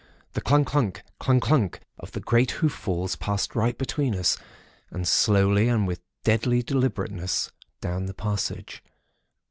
The clungk, clunck, clungk, clunck, of the great hoof falls passed right between us, and slowly and with deadly deliberateness, down the passage.